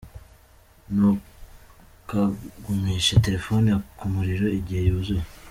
Ntukagumishe telefone ku muriro igihe yuzuye.